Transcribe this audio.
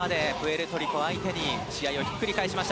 しかし非常にいい形でプエルトリコ相手に試合をひっくり返しました。